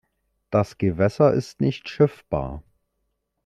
Das Gewässer ist nicht schiffbar.